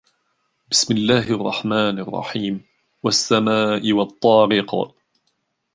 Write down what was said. بسم الله الرحمن الرحيم والسماء والطارق